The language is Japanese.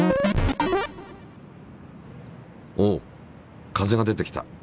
おっ風が出てきた。